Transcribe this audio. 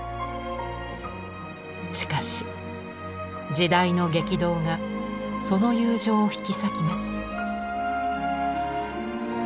しかし時代の激動がその友情を引き裂きます。